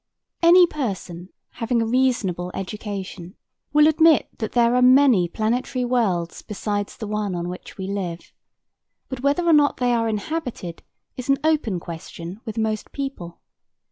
Any person having a reasonable education will admit that there are many planetary worlds besides the one on which we live. But whether or not they are inhabited is an open question with most people.